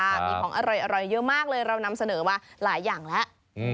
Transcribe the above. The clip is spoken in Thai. มีของอร่อยเยอะมากเลยเรานำเสนอมาหลายอย่างแล้ว